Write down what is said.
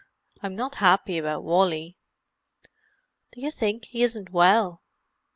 I'm not happy about Wally." "Do you think he isn't well?"